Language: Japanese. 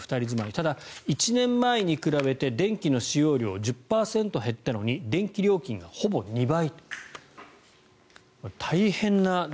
ただ、１年前に比べて電気の使用量１０％減ったのに電気料金がほぼ２倍。